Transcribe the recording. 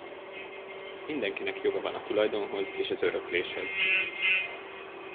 Mindenkinek joga van a tulajdonhoz és az örökléshez.